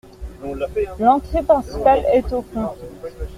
L’entrée principale est au fond.